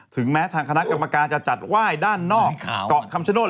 แม้ทางคณะกรรมการจะจัดไหว้ด้านนอกเกาะคำชโนธ